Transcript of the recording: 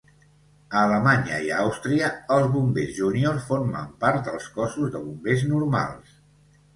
A Alemanya i a Àustria els bombers júnior formen part dels cossos de bombers normals.